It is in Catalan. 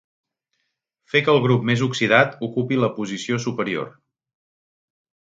Fer que el grup més oxidat ocupi la posició superior.